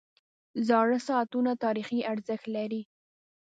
• زاړه ساعتونه تاریخي ارزښت لري.